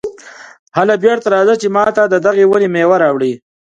هله بېرته راځه چې ماته د دغې ونې مېوه راوړې.